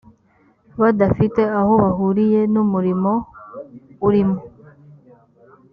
badafite aho bahuriye n umurimo urimo